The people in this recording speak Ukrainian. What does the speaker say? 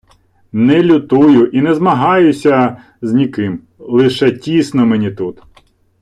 Не лютую і не змагаюся з ніким, лише тісно мені тут.